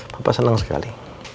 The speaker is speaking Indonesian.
papa senang sekali